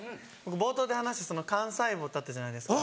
冒頭で話した幹細胞ってあったじゃないですか。